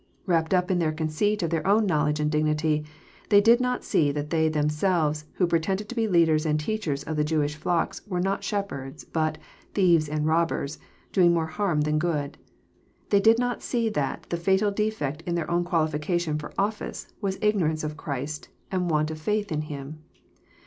Wrapped up in their conceit of their own knowledge and dignity, they did not see that they them selves who pretended to be leaders and teachers of the Jewish flocks were not shepherds, but <* thieves and robbers," doing more harm than good. They did not see that the fatal defect in their own qualification for office was ignoilli5ce~bf Christ and want of foith in Him.